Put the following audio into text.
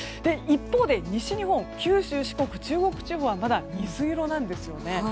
一方で西日本、九州四国・中国地方はまだ水色なんですよね。